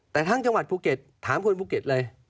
แต่ทั้งจังหวัดภูเก็ตถามคนภูเก็ตเลย